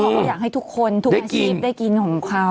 เราอยากให้ทุกคนทุกอาชีพได้กินของเขา